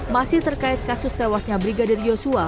masih terkait kasus tewasnya brigadir yosua